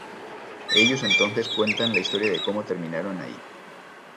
Ellos entonces cuentan la historia de cómo terminaron ahí.